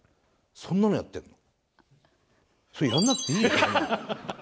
それやんなくていいよ。